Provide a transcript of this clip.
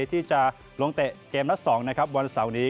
ที่จะลงเตะเกมนัท๒วันเสาร์นี้